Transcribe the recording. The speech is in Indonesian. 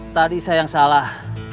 tadi saya yang salah